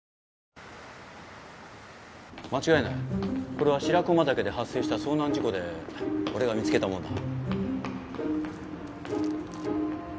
これは白駒岳で発生した遭難事故で俺が見つけたものだ。